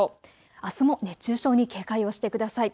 あすも熱中症に警戒をしてください。